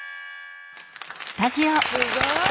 すごい！